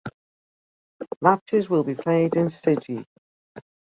Matches will be played in Celje